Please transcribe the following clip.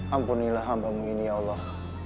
ampunilah hambamu ini ya allah